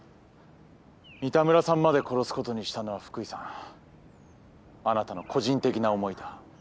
三田村さんまで殺すことにしたのは福井さんあなたの個人的な思いだ。